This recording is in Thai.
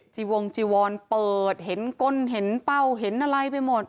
จีวงจีวอนเปิดเห็นก้นเห็นเป้าเห็นอะไรไปหมด